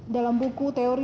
dalam buku teori